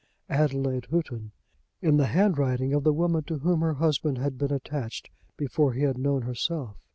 Adelaide Houghton; in the handwriting of the woman to whom her husband had been attached before he had known herself!